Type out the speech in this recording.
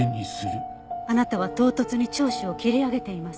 あなたは唐突に聴取を切り上げています。